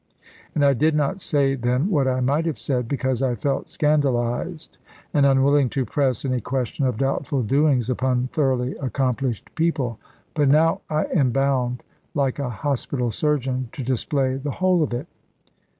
And I did not say then what I might have said; because I felt scandalised, and unwilling to press any question of doubtful doings upon thoroughly accomplished people. But now I am bound, like a hospital surgeon, to display the whole of it.